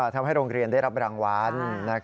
ทำให้โรงเรียนได้รับรางวัล